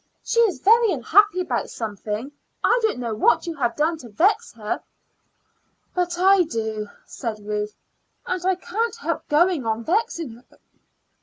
She is very unhappy about something. I don't know what you have done to vex her." "But I do," said Ruth. "And I can't help going on vexing her."